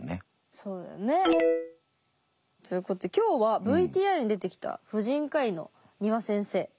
そうだよね。ということで今日はＶＴＲに出てきた婦人科医の丹羽先生